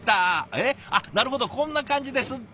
えなるほどこんな感じですって